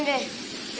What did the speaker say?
aduh aduh aduh